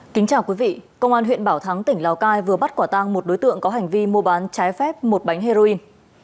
kính chào quý vị công an huyện bảo thắng tỉnh lào cai vừa bắt quả tang một đối tượng có hành vi mua bán trái phép một bánh heroin